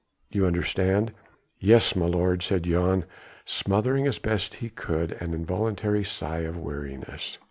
You understand?" "Yes, my lord," said Jan, smothering as best he could an involuntary sigh of weariness.